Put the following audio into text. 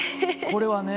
これはね